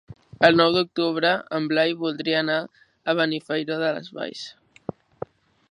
El nou d'octubre en Blai voldria anar a Benifairó de les Valls.